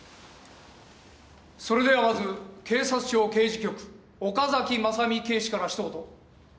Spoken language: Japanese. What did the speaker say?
それではまず警察庁刑事局岡崎真実警視からひと言。